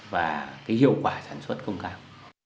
và cái hiệu quả sản xuất không cao